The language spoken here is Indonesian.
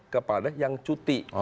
kepada yang cuti